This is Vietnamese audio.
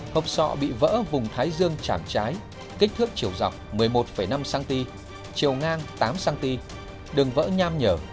hộp sọ bị vỡ vùng thái dương chảm trái kích thước chiều dọc một mươi một năm cm chiều ngang tám cm đường vỡ nham nhở